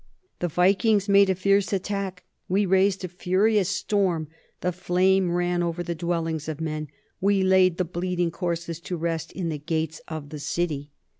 The Vikings made a fierce attack; we raised a furious storm, the flame ran over the dwellings of men, we laid the bleeding corses to rest in the gates of the city.